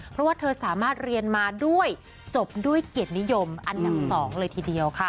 เพราะว่าเธอสามารถเรียนมาด้วยจบด้วยเกียรตินิยมอันดับ๒เลยทีเดียวค่ะ